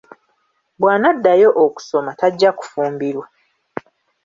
Bw'anaddayo okusoma tajja kufumbirwa.